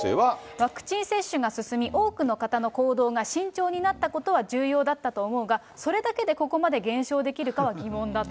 ワクチン接種が進み、多くの方の行動が慎重になったことは重要だったと思うが、それだけでここまで減少できるかは疑問だと。